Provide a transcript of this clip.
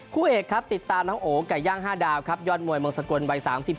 คู่เอกครับติดตามน้องโอ๋ไก่ย่าง๕ดาวครับยอดมวยเมืองสกลวัย๓๔